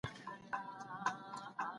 په قدم وهلو کې د خلکو ارامي نه ګډوډېږي.